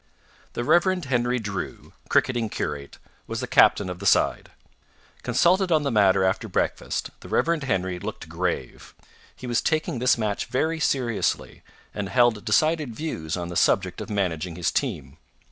The Rev. Henry Drew, cricketing curate, was the captain of the side. Consulted on the matter after breakfast, the Rev. Henry looked grave. He was taking this match very seriously, and held decided views on the subject of managing his team.